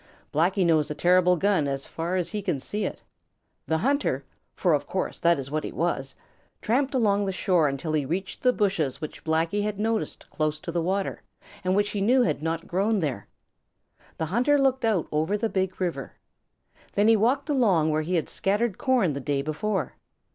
Blacky knows a terrible gun as far as he can see it. The hunter, for of course that is what he was, tramped along the shore until he reached the bushes which Blacky had noticed close to the water and which he knew had not grown there. The hunter looked out over the Big River. Then he walked along where he had scattered corn the day before.